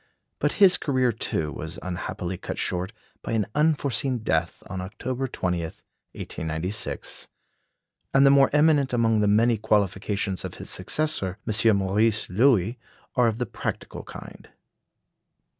But his career, too, was unhappily cut short by an unforeseen death on October 20, 1896; and the more eminent among the many qualifications of his successor, M. Maurice Loewy, are of the practical kind.